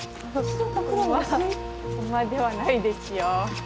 馬ではないですよ。